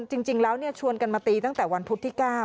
จริงแล้วชวนกันมาตีตั้งแต่วันพุธที่๙